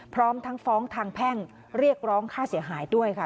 พร้อมทั้งฟ้องทางแพ่งเรียกร้องค่าเสียหายด้วยค่ะ